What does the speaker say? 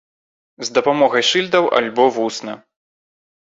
З дапамогай шыльдаў, альбо вусна.